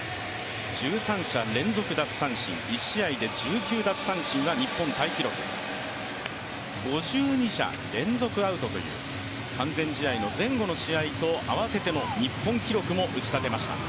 １３者連続奪三振、１試合で１９奪三振は日本タイ記録、５２者連続アウトという完全試合の前後の試合と合わせても日本記録も打ち立てました。